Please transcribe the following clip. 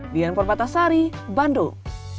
lian purwata sari bandung